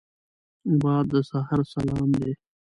باد د سحر سلام دی